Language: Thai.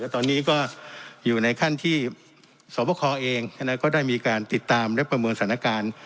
ตอนนี้ก็อยู่ในขั้นที่สวบคอเองก็ได้มีการติดตามและประเมินสถานการณ์